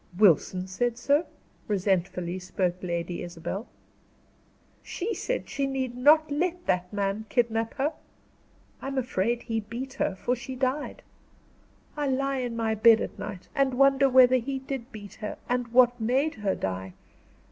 "Wilson said so?" resentfully spoke Lady Isabel. "She said she need not let that man kidnap her. I am afraid he beat her, for she died. I lie in my bed at night, and wonder whether he did beat her, and what made her die.